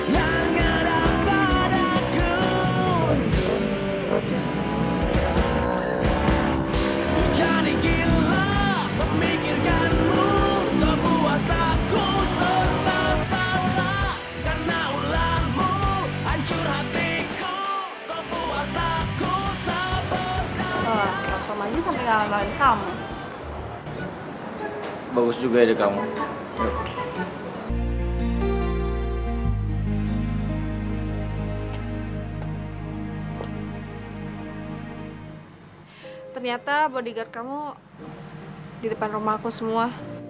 ternyata bodyguard kamu di depan rumah aku semua